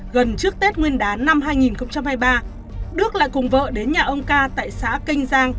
gần trước tết nguyên đán năm hai nghìn hai mươi ba đức lại cùng vợ đến nhà ông ca tại xã kênh giang